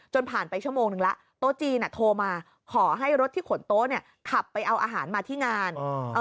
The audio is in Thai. ผ่านไปชั่วโมงนึงแล้วโต๊ะจีนโทรมาขอให้รถที่ขนโต๊ะเนี่ยขับไปเอาอาหารมาที่งาน